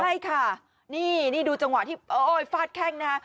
ใช่ค่ะนี่ดูจังหวะที่โอ้ยฟาดแข้งนะฮะ